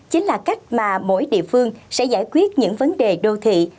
chính là cách mà mỗi địa phương sẽ giải quyết những vấn đề đô thị